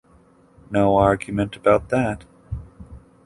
No argument about that.